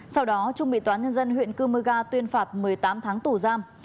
sau đó trung bị toán nhân dân huyện cơ mơ ga tuyên phạt một mươi tám tháng tù giam